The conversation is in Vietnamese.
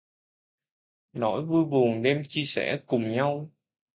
Nỗi vui buồn đem chia sẻ cùng nhau